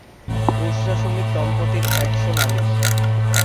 বুশরা-সুমিত দম্পতির ‘একশো নালিশ’